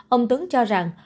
ông tuấn cho rằng